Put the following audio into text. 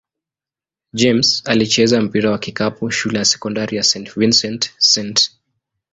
James alicheza mpira wa kikapu shule ya sekondari St. Vincent-St.